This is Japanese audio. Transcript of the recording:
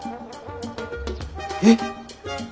えっ！？